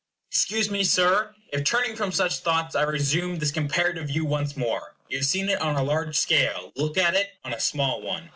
Excuse me, Sir, if turning from such thoughts I resume this comparative view once more. You have seen it on a large scale; look at it on a small one.